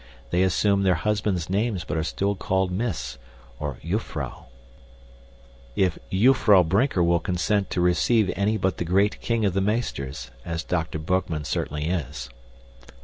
They assume their husbands' names but are still called Miss (Jufvrouw, pronounced Yuffrow).} Brinker will consent to receive any but the great king of the meesters, as Dr. Boekman certainly is.